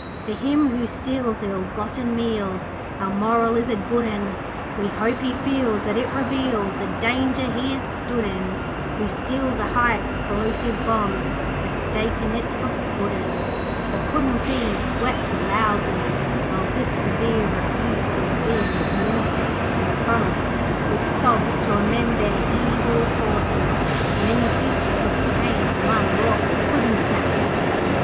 'For him who steals ill gotten meals Our moral is a good un. We hope he feels that it reveals The danger he is stood in Who steals a high explosive bomb, Mistaking it for Puddin'.' The puddin' thieves wept loudly while this severe rebuke was being administered, and promised, with sobs, to amend their evil courses, and in the future to abstain from unlawful puddin' snatching.